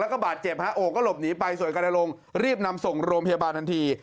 แล้วก็บาดเจ็บฮะโอก็หลบหนีไปส่วนการลงรีบนำส่งโรงพยาบาลทันที